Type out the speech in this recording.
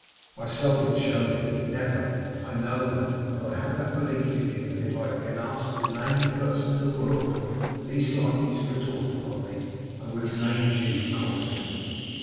'I seldom showed it never I know that. But I had that belief in you, that if I had been asked to name the person in the world least likely to retort upon me, I would have named you, confidently.